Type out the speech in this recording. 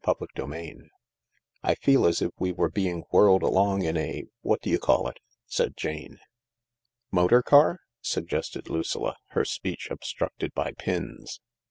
CHAPTER XXIV " I feel as if we were being whirled along in a— what do you call it ?" said Jane. " Motor car ?" suggested Lucilla, her speech obstructed by pins.